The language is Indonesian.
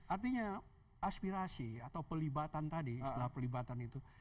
artinya aspirasi atau pelibatan tadi setelah pelibatan itu